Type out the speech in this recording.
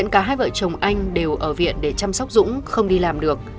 cả hai vợ chồng anh đều ở viện để chăm sóc dũng không đi làm được